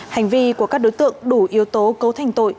hành vi của các đối tượng đủ yếu tố cấu thành tội